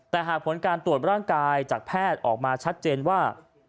แต่หากผลการตรวจร่างกายจากแพทย์ออกมาชัดเจนว่า